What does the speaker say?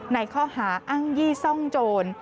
ในข้อหาอ้างยี่ซ่องโจร